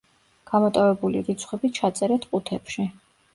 გამოტოვებული რიცხვები ჩაწერეთ ყუთებში.